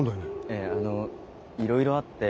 ええあのいろいろあって。